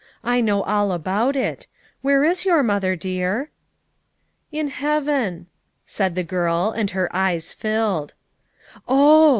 I know all about it. Where is your mother, dear?" "In heaven," said the girl and her eyes filled. "Oh!"